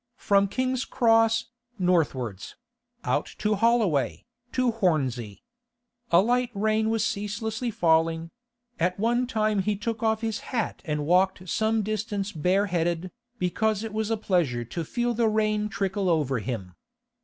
From King's Cross, northwards; out to Holloway, to Hornsey. A light rain was ceaselessly falling; at one time he took off his hat and walked some distance bareheaded, because it was a pleasure to feel the rain trickle over him.